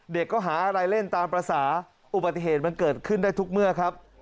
ก็หาอะไรเล่นตามภาษาอุบัติเหตุมันเกิดขึ้นได้ทุกเมื่อครับ